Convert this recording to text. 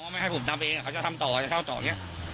ไม่ให้ผมนำเองเขาจะทำต่อจะเช่าต่อเนี้ย